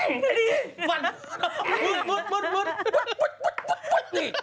นี่ที่ตี